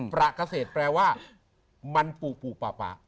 ปลากเกษตรแปลว่ามันปูปูปาปะ